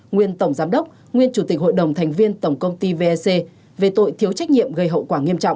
nguyên tổng giám đốc nguyên chủ tịch hội đồng thành viên tổng công ty vec về tội thiếu trách nhiệm gây hậu quả nghiêm trọng